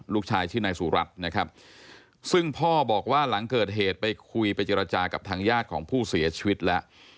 ลูกชายชื่อนายสุรัตน์นะครับซึ่งพ่อบอกว่าหลังเกิดเหตุไปคุยไปเจรจากับทางญาติของผู้เสียชีวิตแล้ว